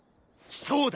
そうだ。